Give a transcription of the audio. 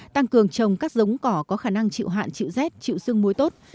tăng cường trồng các rống cỏ có khả năng chịu hạn chịu z chịu xương muối tốt